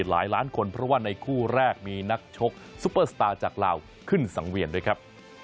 หลายล้านคนเพราะว่าในคู่แรกมีนักชกซุปเปอร์สตาร์จากลาวขึ้นสังเวียนด้วยครับ